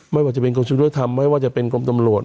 ไม่ว่าจะเป็นกรมศิลธรรมไม่ว่าจะเป็นกรมตำรวจ